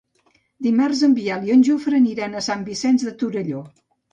Dimarts en Biel i en Jofre aniran a Sant Vicenç de Torelló.